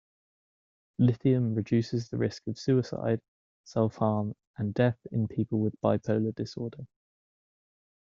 Lithium reduces the risk of suicide, self-harm, and death in people with bipolar disorder.